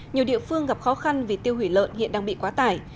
nhiều địa phương gặp khó khăn vì tiêu hủy lợn hiện đang bị quá tải